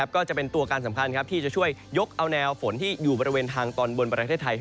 ก็จะเป็นตัวการสำคัญที่จะช่วยยกเอาแนวฝนที่อยู่บริเวณทางตอนบนประเทศไทย